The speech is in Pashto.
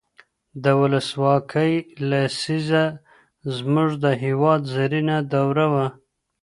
د ولسواکۍ لسیزه زموږ د هېواد زرینه دوره وه.